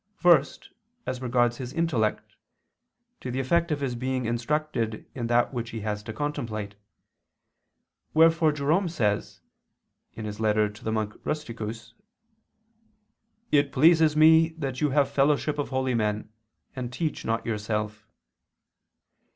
First, as regards his intellect, to the effect of his being instructed in that which he has to contemplate; wherefore Jerome says (ad Rustic. Monach., Ep. cxxv): "It pleases me that you have the fellowship of holy men, and teach not yourself."